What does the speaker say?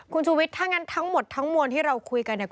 คุณชูวิทย์ถ้างั้นทั้งหมดทั้งมวลที่เราคุยกันเนี่ย